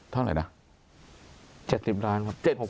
เท่าไหร่นะ๗๐ล้าน